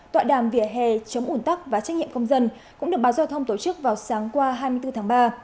tọa đàm vỉa hè chống ủn tắc và trách nhiệm công dân cũng được báo giao thông tổ chức vào sáng qua hai mươi bốn tháng ba